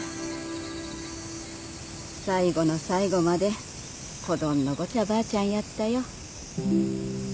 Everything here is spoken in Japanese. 最後の最後まで子どんのごちゃばあちゃんやったよ。